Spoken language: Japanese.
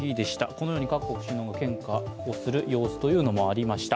このように各国首脳が献花する様子もありました。